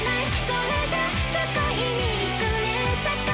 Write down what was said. それじゃ救いに行くね世界